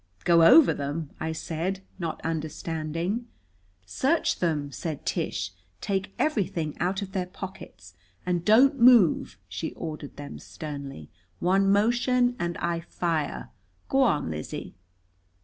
"Go over them?" I said, not understanding. "Search them," said Tish. "Take everything out of their pockets. And don't move," she ordered them sternly. "One motion, and I fire. Go on, Lizzie."